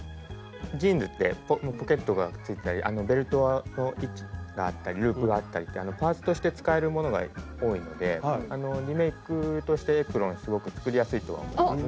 ジーンズってポケットがついてたりベルトの位置があったりループがあったりってパーツとして使えるものが多いのでリメイクとしてエプロンすごく作りやすいとは思いますね。